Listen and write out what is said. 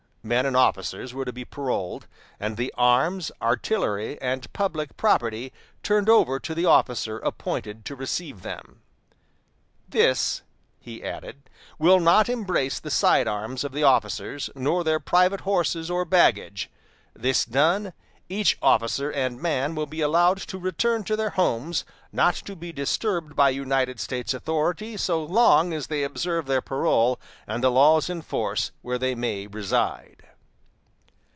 Men and officers were to be paroled, and the arms, artillery, and public property turned over to the officer appointed to receive them. "This," he added, "will not embrace the side arms of the officers, nor their private horses or baggage. This done, each officer and man will be allowed to return to their homes, not to be disturbed by United States authority so long as they observe their parole and the laws in force where they may reside."